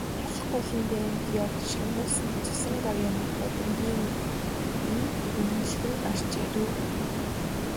Халх голын дайнд явж шагнуулсан цусан гавьяаны одонгийн нь үнэмлэх гарч ирэв.